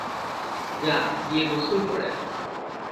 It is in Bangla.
যা গিয়ে গোসল করে আয়।